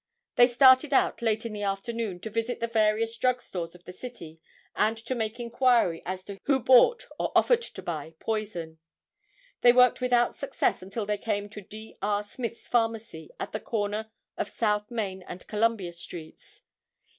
They started out late in the afternoon, to visit the various drug stores of the city and to make inquiry as to who bought or offered to buy poison. They worked without success until they came to D. R. Smith's pharmacy, at the corner of South Main and Columbia streets.